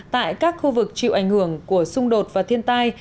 tại các khu vực chịu ảnh hưởng của xung đột và thiên tai